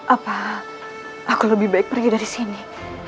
apa aku lebih baik pergi dari sini